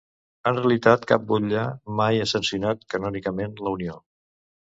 En realitat cap butlla mai ha sancionat canònicament la unió.